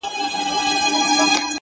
o اوس دي لا د حسن مرحله راغلې نه ده،